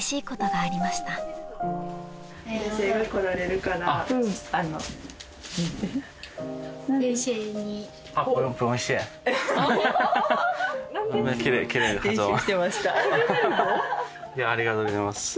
ありがとうございます。